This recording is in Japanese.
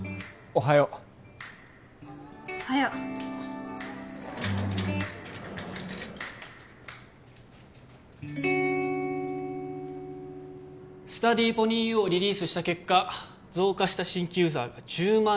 おはようスタディーポニーＵをリリースした結果増加した新規ユーザーが１０万